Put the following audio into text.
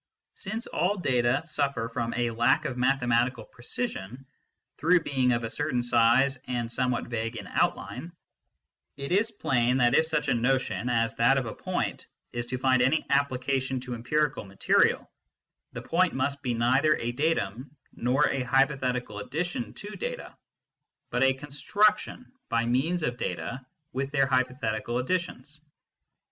Since all data suffer from a lack of mathematical precision through being of a certain size and somewhat vague in outline, it is plain that if such a notion as that of a point is to find any application to empirical material, the point must be neither a datum nor a hypothetical addition te SCIENTIFIC METHOD IN PHILOSOPHY 1.17 da.ta, but a construction by means of data with their hypothetical additions.